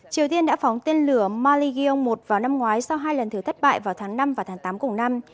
triều tiên đã phóng tên lửa maligion một vào năm ngoái sau hai lần thử thất bại vào tháng năm và tháng tám cùng năm